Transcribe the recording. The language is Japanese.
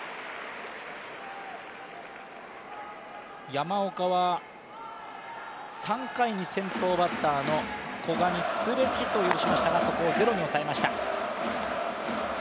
山岡は３回に先頭バッターの古賀にツーベースヒットを許しましたが、そこを０に抑えました。